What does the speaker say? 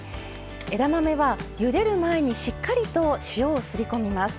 枝豆はゆでる前にしっかりと塩をすりこみます。